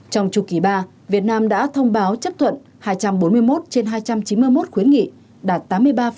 trong chu kỳ ba việt nam đã thông báo chấp thuận hai trăm bốn mươi một trên hai trăm chín mươi một khuyến nghị đạt tám mươi ba